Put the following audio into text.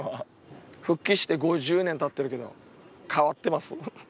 復帰して５０年たってるけど、変わってます。